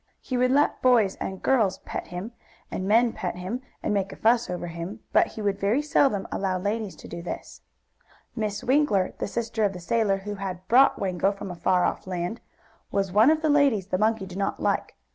He would let boys and girls and men pet him, and make a fuss over him, but he would very seldom allow ladies to do this. Miss Winkler, the sister of the sailor who had brought Wango from a far off land, was one of the ladies the monkey did not like.